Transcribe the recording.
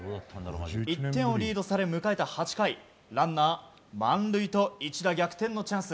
１点をリードされ、迎えた８回ランナー満塁と一打逆転のチャンス。